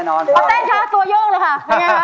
ตัวเยี่ยมเลยครับ